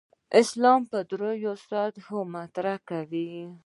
اسلام په درېو سطحو مطرح کوي.